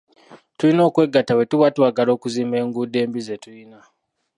Tulina okwegata bwetuba twagala okuzimba enguudo embi ze tulina,